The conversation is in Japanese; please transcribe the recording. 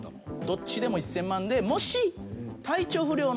どっちでも１，０００万でもし。